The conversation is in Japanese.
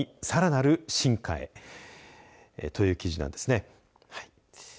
さらなる進化へという記事です。